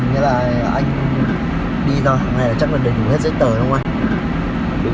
ngày này chắc là đầy đủ hết giấy tờ đúng không anh